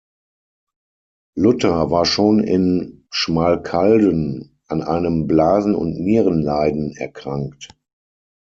Luther war schon in Schmalkalden an einem Blasen- und Nierenleiden erkrankt.